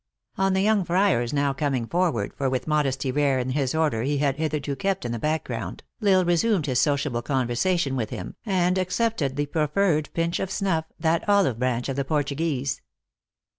On the young friar s now coming forward (for with a modesty rare in his order he had hitherto kept in the back ground), L Isle resumed his sociable conversation with him, and accepted the proffered pinch of snuff, that olive branch of the Portuguese.